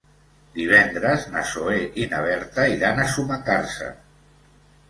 Divendres na Zoè i na Berta iran a Sumacàrcer.